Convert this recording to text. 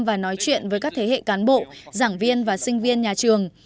và nói chuyện với các thế hệ cán bộ giảng viên và sinh viên nhà trường